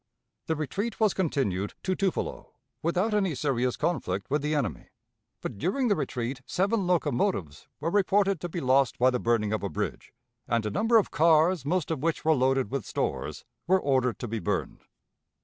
The retreat was continued to Tupelo, without any serious conflict with the enemy; but during the retreat seven locomotives were reported to be lost by the burning of a bridge, and a number of cars, most of which were loaded with stores, were ordered to be burned.